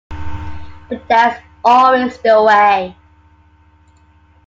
But that’s always the way.